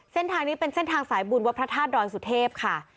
เส้นทางนี้เห็นเส้นทางสายบุญวัตถาดรอยสุเทพค่ะ